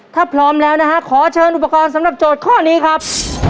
ถ้าพร้อมแล้วนะฮะขอเชิญอุปกรณ์สำหรับโจทย์ข้อนี้ครับ